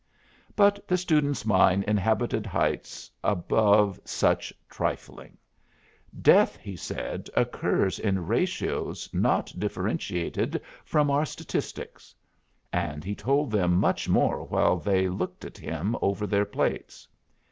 But the student's mind inhabited heights above such trifling. "Death," he said, "occurs in ratios not differentiated from our statistics." And he told them much more while they booked at him over their plates.